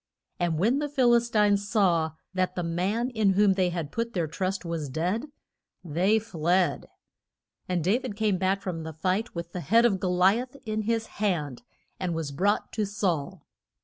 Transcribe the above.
And when the Phil is tines saw that the man in whom they had put their trust was dead they fled. And Da vid came back from the fight with the head of Go li ath in his hand, and was brought to Saul.